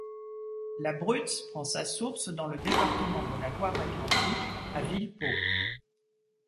La Brutz prend sa source dans le département de la Loire-Atlantique à Villepot.